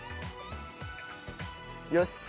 よし。